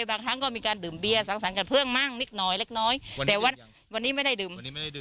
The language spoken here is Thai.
เบียสังสรรค์กับเพื่องมั่งนิดหน่อยเล็กน้อยแต่วันนี้ไม่ได้ดื่ม